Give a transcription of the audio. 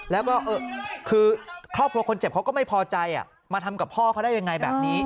แล้วก็คือครอบครัวคนเจ็บเขาก็ไม่พอใจมาทำกับพ่อเขาได้ยังไงแบบนี้